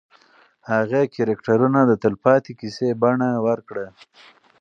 هغې کرکټرونه د تلپاتې کیسې بڼه ورکړه.